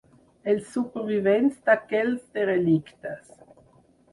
Els supervivents d’aquells derelictes.